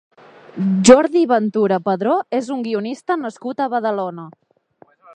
Jordi Ventura Padró és un guionista nascut a Badalona.